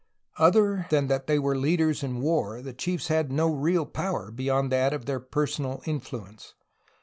Other than that they were leaders in war the chiefs had no real power beyond that of their personal influence.